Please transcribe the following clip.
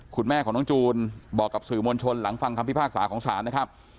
คุณแม่ของน้องจูนบอกกับสื่อมวลชนหลังฟังคำพิพากษาของศาลนะครับ